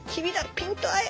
ピント合え！